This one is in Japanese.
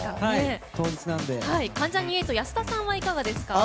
関ジャニ∞の安田さんはいかがですか？